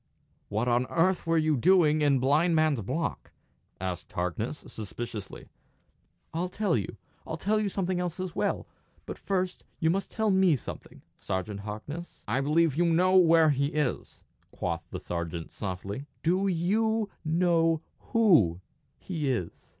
"What on earth were you doing in Blind Man's Block?" asked Harkness, suspiciously. "I'll tell you. I'll tell you something else as well! But first you must tell me something, Sergeant Harkness." "I believe you know where he is," quoth the sergeant, softly. "Do you know who he is?"